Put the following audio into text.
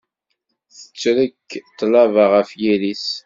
Tetrek tlaba ɣef yiri-s.